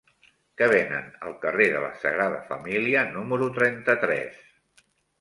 Què venen al carrer de la Sagrada Família número trenta-tres?